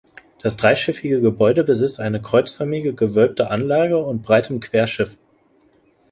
Das dreischiffige Gebäude besitzt eine kreuzförmige, gewölbte Anlage und breitem Querschiff.